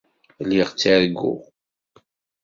Lliɣ ttarguɣ.